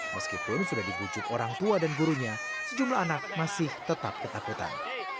meskipun sudah dibujuk orang tua dan gurunya sejumlah anak masih tetap ketakutan